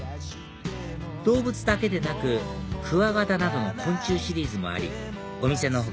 動物だけでなくクワガタなどの昆虫シリーズもありお店の他